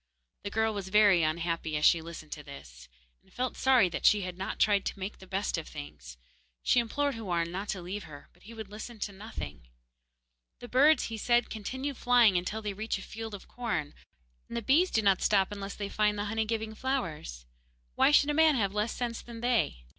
The girl was very unhappy as she listened to this, and felt sorry that she had not tried to make the best of things. She implored Houarn not to leave her, but he would listen to nothing. 'The birds,' he said, 'continue flying until they reach a field of corn, and the bees do not stop unless they find the honey giving flowers, and why should a man have less sense than they?